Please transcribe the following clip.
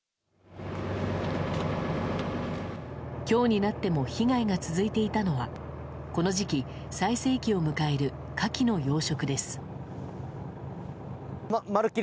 今日になっても被害が続いていたのはこの時期、最盛期を迎えるカキの養殖です。